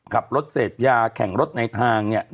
ขับรถเสพยาแข่งรถในทาง